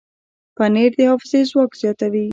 پنېر د حافظې ځواک زیاتوي.